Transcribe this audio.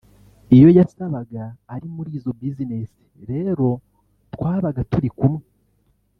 iyo yabaga ari muri izo business rero twabaga turi kumwe